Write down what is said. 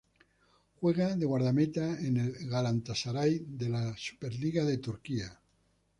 Juega de guardameta en el Galatasaray de la Superliga de Turquía.